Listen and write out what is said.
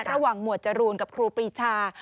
ระหว่างหมวดจรูนกับครูปีชา